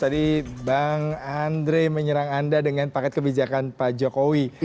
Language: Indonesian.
tadi bang andre menyerang anda dengan paket kebijakan pak jokowi